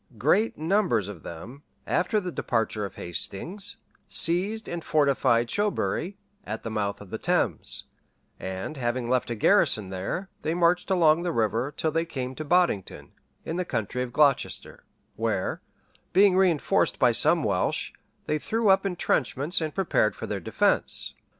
Great numbers of them, after the departure of Hastings, seized and fortified Shobury, at the mouth of the Thames; and having left a garrison there, they marched along the river, till they came to Boddington, in the county of Glocester; where, being reënforced by some Welsh, they threw up intrenchments, and prepared for their defence.